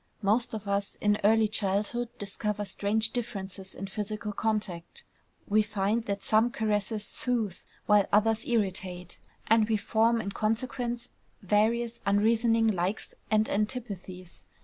Most of us in early childhood discover strange differences in physical contact; we find that some caresses soothe, while others irritate; and we form in consequence various unreasoning likes and antipathies.